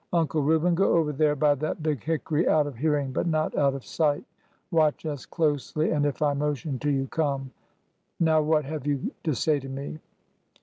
" Uncle Reuben, go over there by that big hickory, out of hearing but not out of sight. Watch us closely, and if I motion to you — come. ... Now — what have you to say to me